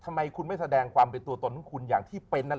ทำไมคุณไม่แสดงความเปลี่ยนตัวตนของคุณ